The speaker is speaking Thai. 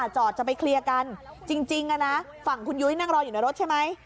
จะไปเคลียร์กันจริงฝั่งคุณยุ้ยนั่งรออยู่ในรถใช่ไหม